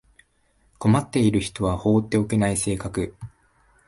困っている人は放っておけない性格